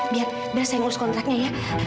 biar saya urus kontraknya ya